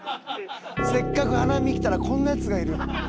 せっかく花見来たらこんなヤツがいる。